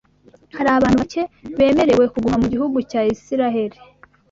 hari abantu bake bemerewe kuguma mu gihugu cya Isirayeli